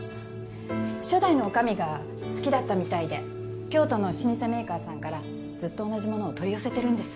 初代の女将が好きだったみたいで京都の老舗メーカーさんからずっと同じものを取り寄せてるんです